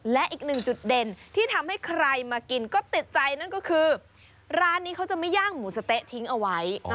และอีกหนึ่งจุดเด่นที่ทำให้ใครมากินก็ติดใจนั่นก็คือร้านนี้เขาจะไม่ย่างหมูสะเต๊ะทิ้งเอาไว้